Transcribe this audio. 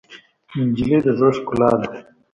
نجلۍ د زړه ښکلا ده.